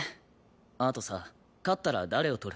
あとさ勝ったら誰をとる？